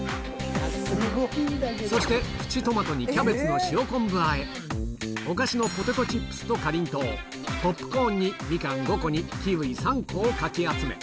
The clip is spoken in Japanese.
そしてプチトマトにキャベツの塩昆布あえ、お菓子のポテトチップスとかりんとう、ポップコーンにみかん５個にキウイ３個をかき集め。